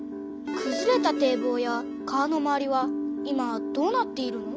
くずれた堤防や川の周りは今どうなっているの？